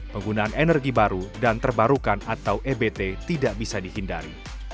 penggunaan energi baru dan terbarukan atau ebt tidak bisa dihindari